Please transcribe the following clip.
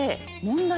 問題？